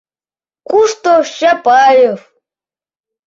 — Кушто Чапаев?